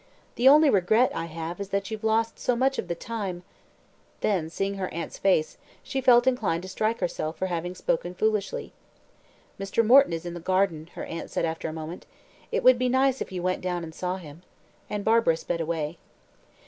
The only regret I have is that you've lost so much of the time " Then, seeing her aunt's face, she felt inclined to strike herself for having spoken foolishly. "Mr. Morton is in the garden," her aunt said after a moment. "It would be nice if you went down and saw him." And Barbara sped away.